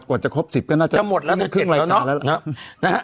กว่าจะครบ๑๐ก็น่าจะหมดแล้วจะเจ็บแล้วเนาะ